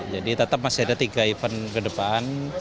jadi tetap masih ada tiga event ke depan